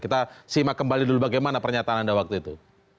kita simak kembali dulu bagaimana pernyataan anda waktu itu